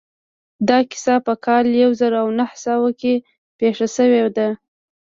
دا کيسه په کال يو زر و نهه سوه کې پېښه شوې ده.